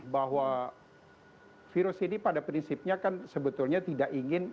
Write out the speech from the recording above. bahwa virus ini pada prinsipnya kan sebetulnya tidak ingin